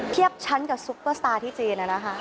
เทียบชั้นกับซุปเปอร์สตาร์ที่จีนนะคะ